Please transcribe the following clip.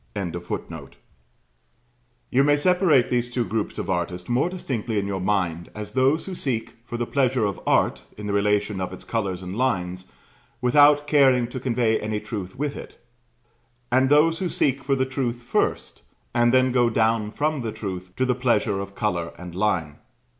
]You may separate these two groups of artists more distinctly in your mind as those who seek for the pleasure of art, in the relations of its colours and lines, without caring to convey any truth with it; and those who seek for the truth first, and then go down from the truth to the pleasure of colour and line.